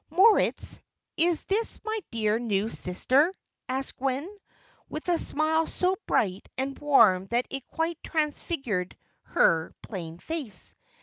"Moritz, is this my dear new sister?" asked Gwen, with a smile so bright and warm that it quite transfigured her plain face.